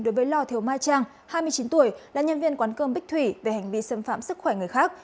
đối với lò thiều mai trang hai mươi chín tuổi là nhân viên quán cơm bích thủy về hành vi xâm phạm sức khỏe người khác